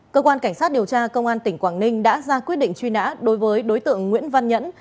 cơ quan cảnh sát điều tra công an tỉnh quảng ninh đã ra quyết định truy nã đối với đối tượng nguyễn văn nhẫn